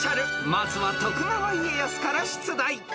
［まずは徳川家康から出題］